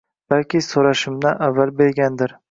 Balki, so‘rashimdan avval bergandir.